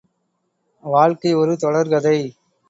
வாழ்க்கை ஒரு தொடர்கதை.